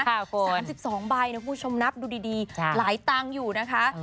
๓๒ใบนะคุณผู้ชมนับดูดีหลายตังค์อยู่นะคะ